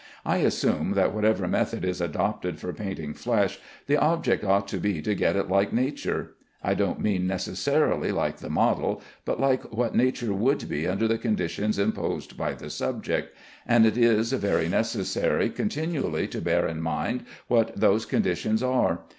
I assume that whatever method is adopted for painting flesh, the object ought to be to get it like nature. I don't mean necessarily like the model, but like what nature would be under the conditions imposed by the subject, and it is very necessary continually to bear in mind what those conditions are.